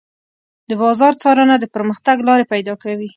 د بازار څارنه د پرمختګ لارې پيدا کوي.